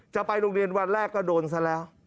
จะไปโรงเรียนวันแรกก็โดนซะแล้ว